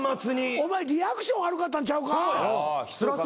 お前リアクション悪かったんちゃうか？